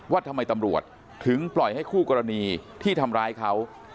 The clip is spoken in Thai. ว่าทำไมตำรวจถึงปล่อยให้คู่กรณีที่ทำร้ายเขา